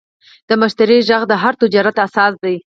د مشتری غږ د هر تجارت اساس دی.